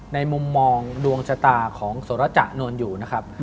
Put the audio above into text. มุมมองดวงชะตาของโสรจะนวลอยู่นะครับ